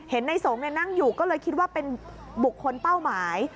ในสงฆ์นั่งอยู่ก็เลยคิดว่าเป็นบุคคลเป้าหมาย